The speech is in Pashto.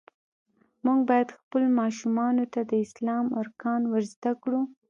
مونږ باید خپلو ماشومانو ته د اسلام ارکان ور زده کړو.